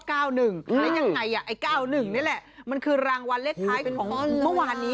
แล้วยังไงไอ้๙๑นี่แหละมันคือรางวัลเลขท้ายของเมื่อวานนี้